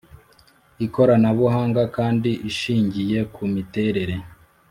Ikoranabuhanga kandi ishingiye ku miterere